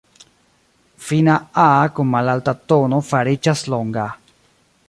Fina "a" kun malalta tono fariĝas longa.